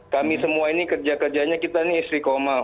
kami semua ini kerja kerjanya kita ini istri komal